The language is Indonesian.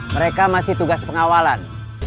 mereka masih tugas pengawalan